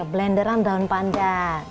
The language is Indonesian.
blenderan daun pandan